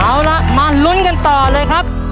เอาล่ะมาลุ้นกันต่อเลยครับ